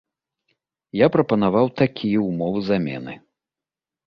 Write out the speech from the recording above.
Я прапанаваў такія ўмовы замены.